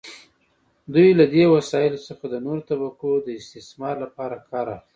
دوی له دې وسایلو څخه د نورو طبقو د استثمار لپاره کار اخلي.